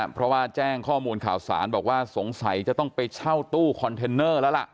เพราะว่าแจ้งข้อมูลข่าวสารบอกว่าสงสัยจะต้องไปเช่าตู้คอนเทนเนอร์แล้วล่ะ